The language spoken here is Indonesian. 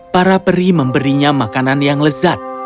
para peri memberinya makanan yang lezat